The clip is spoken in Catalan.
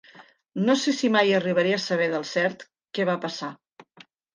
No sé si mai arribaré a saber del cert què va passar.